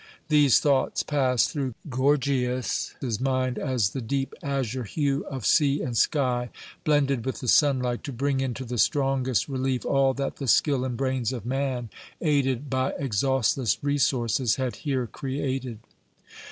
These thoughts passed through Gorgias's mind as the deep azure hue of sea and sky blended with the sunlight to bring into the strongest relief all that the skill and brains of man, aided by exhaustless resources, had here created.